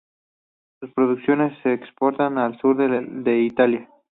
Sus producciones se exportaron al sur de Italia.